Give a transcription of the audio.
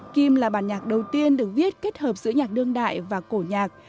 kim là bản nhạc đầu tiên được viết kết hợp giữa nhạc đương đại và cổ nhạc